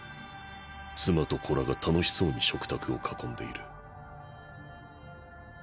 妻と子らが愉しそうに食卓を囲んでいる。